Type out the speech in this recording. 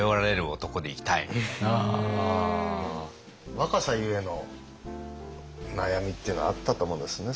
若さゆえの悩みっていうのはあったと思うんですね